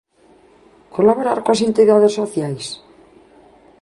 ¿Colaborar coas entidades sociais?